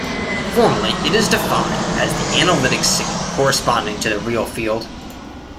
Formally, it is defined as the analytic signal corresponding to the real field.